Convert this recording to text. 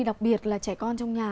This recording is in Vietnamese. đặc biệt là trẻ con trong nhà